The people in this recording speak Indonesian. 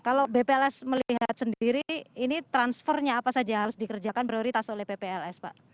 kalau bpls melihat sendiri ini transfernya apa saja yang harus dikerjakan prioritas oleh bpls pak